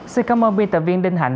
xin cảm ơn biên tập viên đinh hạnh